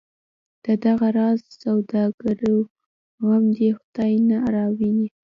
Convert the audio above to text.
د دغه راز سوداګرو غم دی خدای نه راوویني.